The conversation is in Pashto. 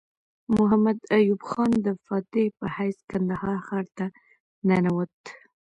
محمد ایوب خان د فاتح په حیث کندهار ښار ته ننوت.